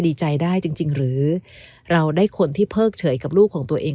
ดีใจได้จริงหรือเราได้คนที่เพิกเฉยกับลูกของตัวเอง